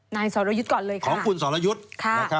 นายศาลยุทธิ์ก่อนเลยค่ะเวลาคุณศาลยุทธิ์ค่ะ